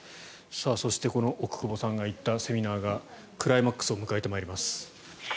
そしてこの奥窪さんが行ったセミナーがクライマックスを迎えてまいります。